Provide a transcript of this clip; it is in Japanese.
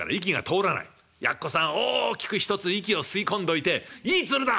やっこさん大きく一つ息を吸い込んどいて「いい鶴だ！」